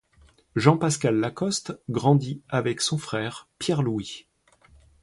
Jean-Pascal Lacoste grandit avec son frère Pierre-Louis.